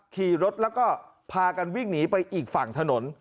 ขี่รถแล้วก็พากันวิ่งหนีไปอีกฝั่งถนน